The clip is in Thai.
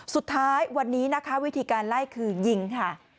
สุดท้ายวันนี้นะคะวิธีการไล่คือยิงค่ะ